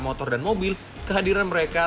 motor dan mobil kehadiran mereka